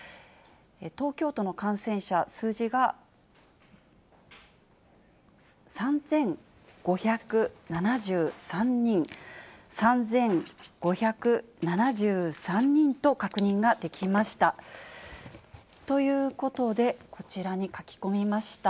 東京都の感染者、数字が、３５７３人、３５７３人と確認ができました。